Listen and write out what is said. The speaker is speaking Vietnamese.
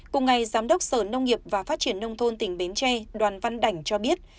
cùng ngày giám đốc sở nông nghiệp và phát triển nông thôn tỉnh bến tre đoàn văn đành cho biết